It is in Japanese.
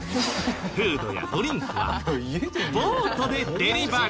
フードやドリンクはボートでデリバリー。